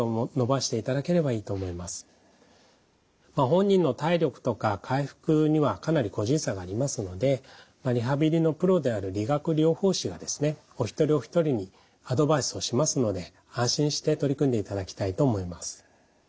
本人の体力とか回復にはかなり個人差がありますのでリハビリのプロである理学療法士がお一人お一人にアドバイスをしますので安心して取り組んでいただきたいと思います。